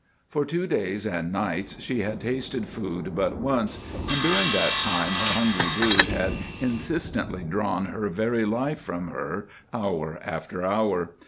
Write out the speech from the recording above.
For two days and nights she had tasted food but once, and during that time her hungry brood had insistently drawn her very life from her hour after hour.